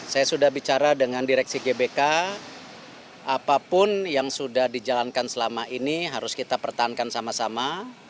saya sudah bicara dengan direksi gbk apapun yang sudah dijalankan selama ini harus kita pertahankan sama sama